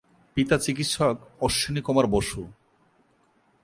পিতা চিকিৎসক অশ্বিনী কুমার বসু।